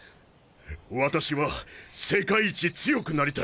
私は世界一強くなりたい。